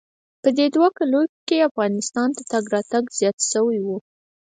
په دې دوو کلونو کښې افغانستان ته تگ راتگ زيات سوى و.